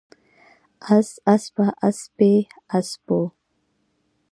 اس، اسپه، اسپې، اسپو